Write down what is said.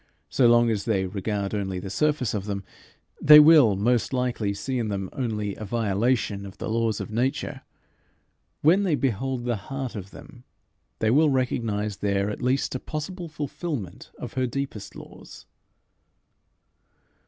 So long as they regard only the surface of them, they will, most likely, see in them only a violation of the laws of nature: when they behold the heart of them, they will recognize there at least a possible fulfilment of her deepest laws.